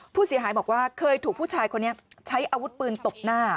ผู้เสียหายบอกว่าเคยถูกผู้ชายคนนี้ใช้อาวุธปืนตบหน้า